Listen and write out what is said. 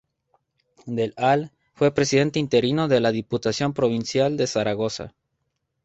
Del al fue Presidente interino de la Diputación Provincial de Zaragoza.